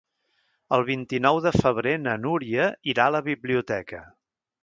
El vint-i-nou de febrer na Núria irà a la biblioteca.